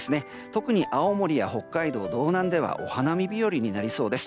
特に青森や北海道道南ではお花見日和になりそうです。